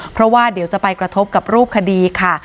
เพราะว่าเดี๋ยวจะไปกระทบกับรูปคดีค่ะ